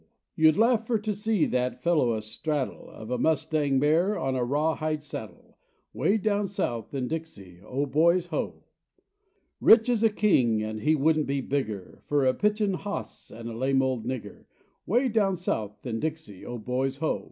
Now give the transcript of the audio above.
You'd laugh fur to see that fellow a straddle Of a mustang mare on a raw hide saddle, Way down south in Dixie, Oh, boys, Ho. Rich as a king, and he wouldn't be bigger Fur a pitchin' hoss and a lame old nigger, Way down south in Dixie, Oh, boys, Ho.